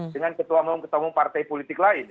dengan ketua umum ketua umum partai politik lain